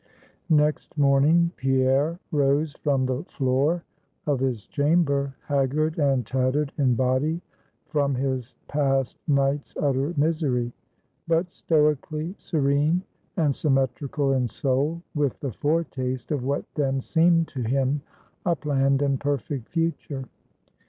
Next morning Pierre rose from the floor of his chamber, haggard and tattered in body from his past night's utter misery, but stoically serene and symmetrical in soul, with the foretaste of what then seemed to him a planned and perfect Future.